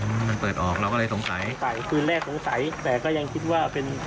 มันเปิดออกเราก็เลยสงสัยใส่คืนแรกสงสัยแต่ก็ยังคิดว่าเป็น